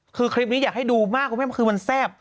คือคลิปนี้อยากให้ดูมากคุณแม่คือมันแซ่บ